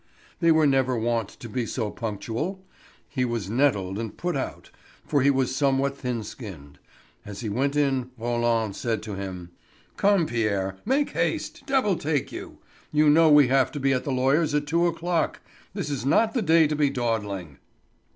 They were never wont to be so punctual. He was nettled and put out, for he was somewhat thin skinned. As he went in Roland said to him: "Come, Pierre, make haste, devil take you! You know we have to be at the lawyer's at two o'clock. This is not the day to be dawdling."